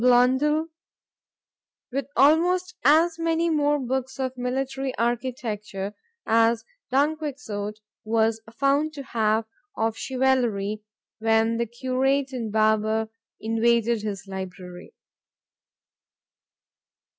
Blondel, with almost as many more books of military architecture, as Don Quixote was found to have of chivalry, when the curate and barber invaded his library.